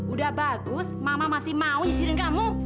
udah bagus mama masih mau izinin kamu